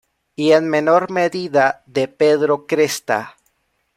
Y en menor medida de Pedro Cresta.